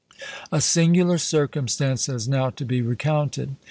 A singular circumstance has now to be recounted.